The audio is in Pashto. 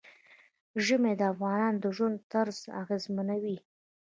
ژمی د افغانانو د ژوند طرز اغېزمنوي.